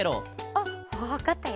あっわかったよ！